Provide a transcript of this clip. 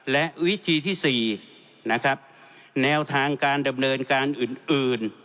และวิธีที่๔นะครับแนวทางการดำเนินการอื่น